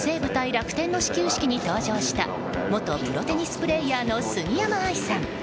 楽天の始球式に登場した元プロテニスプレーヤーの杉山愛さん。